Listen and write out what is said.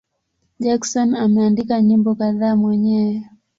Jackson ameandika nyimbo kadhaa mwenyewe.